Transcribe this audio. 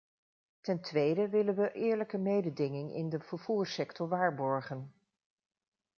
Ten tweede willen we eerlijke mededinging in de vervoerssector waarborgen.